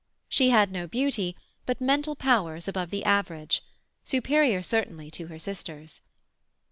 She had no beauty, but mental powers above the average—superior, certainly, to her sister's.